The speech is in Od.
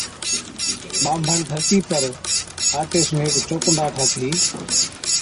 ٻانڀڻ ڌرتِي پر آٽي سُون ھيڪ چوڪُنڊا ٺاهٿِي